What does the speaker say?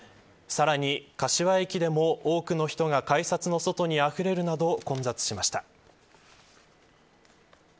さらに、柏駅でも多くの人が改札の外にあふれるなど混雑しました。